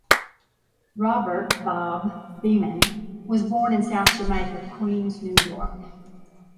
Robert "Bob" Beamon was born in South Jamaica, Queens, New York.